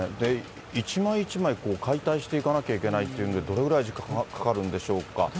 一枚一枚、解体していかなきゃいけないっていうんで、どれぐらい時間がかかるんでしょうか。